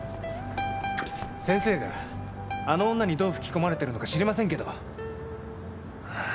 先生があの女にどう吹き込まれてるのか知りませんけど。